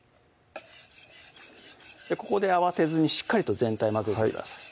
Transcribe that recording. ここで慌てずにしっかりと全体混ぜてください